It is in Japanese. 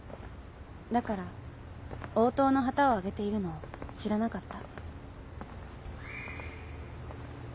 だから応答の旗をあげているの知らなかった。